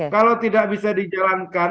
kalau tidak bisa dijalankan